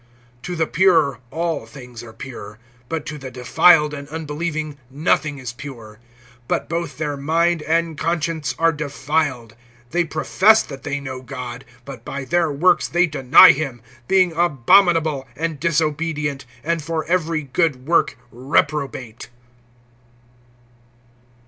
(15)To the pure all things are pure; but to the defiled and unbelieving nothing is pure; but both their mind and conscience are defiled. (16)They profess that they know God; but by their works they deny him, being abominable, and disobedient, and for every good work reprobate.